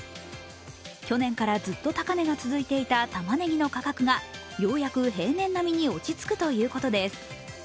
去年からずっと高値が続いていたたまねぎの価格がようやく平年並みに落ち着くということです。